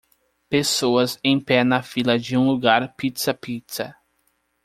Pessoas em pé na fila de um lugar Pizza Pizza.